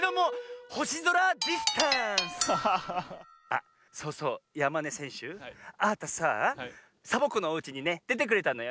あっそうそうやまねせんしゅあなたさあ「サボ子のおうち」にねでてくれたのよね。